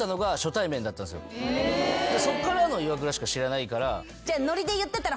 そっからのイワクラしか知らないから。